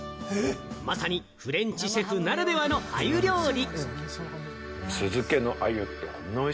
まさにフレンチシェフならではの鮎料理。